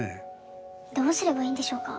どうすればいいんでしょうか。